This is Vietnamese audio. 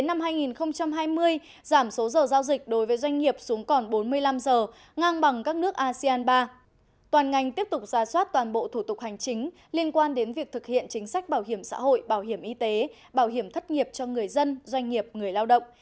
ngành tiếp tục ra soát toàn bộ thủ tục hành chính liên quan đến việc thực hiện chính sách bảo hiểm xã hội bảo hiểm y tế bảo hiểm thất nghiệp cho người dân doanh nghiệp người lao động